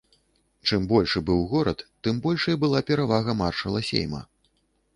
Чым большы быў горад, тым большай была перавага маршала сейма.